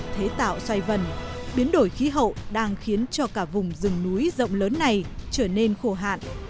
thế tạo xoay vần biến đổi khí hậu đang khiến cho cả vùng rừng núi rộng lớn này trở nên khô hạn